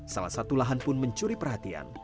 salah satu lahan pun mencuri perhatian